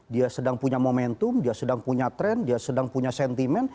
dia sedang punya momentum dia sedang punya tren dia sedang punya sentimen